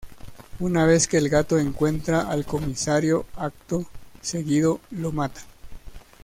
Una vez que el Gato encuentra al comisario acto seguido lo mata.